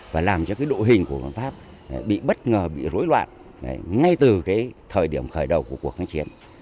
và làm cho cái độ hình của quân pháp bị bất ngờ bị rối loạn ngay từ cái thời điểm khởi đầu của cuộc kháng chiến